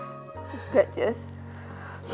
pokoknya mirah akan terus cari mas dhani